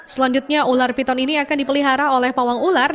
selanjutnya ular piton ini akan dipelihara oleh pawang ular